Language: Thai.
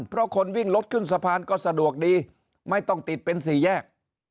เพราะคนวิ่งรถขึ้นสะพานก็สะดวกดีไม่ต้องติดเป็นสี่แยก